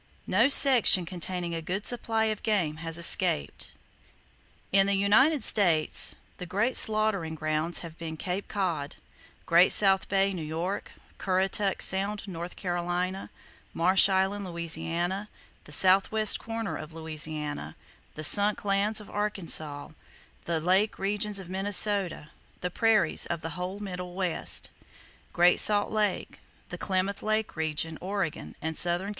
No section [Page 64] containing a good supply of game has escaped. In the United States the great slaughtering grounds have been Cape Cod; Great South Bay, New York; Currituck Sound, North Carolina; Marsh Island, Louisiana; the southwest corner of Louisiana; the Sunk Lands of Arkansas; the lake regions of Minnesota; the prairies of the whole middle West; Great Salt Lake; the Klamath Lake region (Oregon) and southern California.